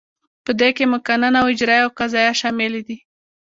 په دې کې مقننه او اجراییه او قضاییه شاملې دي.